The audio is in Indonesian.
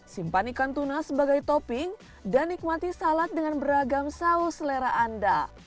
simpan ikan tuna sebagai topping dan nikmati salad dengan beragam saus selera anda